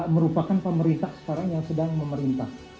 merupakan pemerintah sekarang yang sedang memerintah